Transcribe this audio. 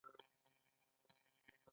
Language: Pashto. دغه ټولنې ته ان ایس پي اي ویل کیږي.